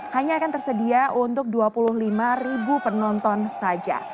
hanya akan tersedia untuk dua puluh lima ribu penonton saja